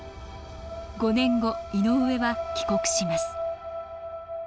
５年後井上は帰国します。